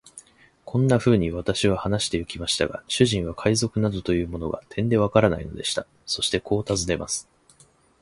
こんなふうに私は話してゆきましたが、主人は海賊などというものが、てんでわからないのでした。そしてこう尋ねます。